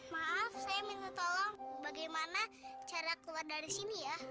maaf saya minta tolong bagaimana cara keluar dari sini ya